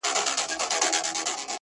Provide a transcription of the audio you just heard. تل به گرځېدی په مار پسي پر پولو!!